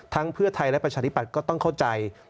เพื่อไทยและประชาธิปัตย์ก็ต้องเข้าใจ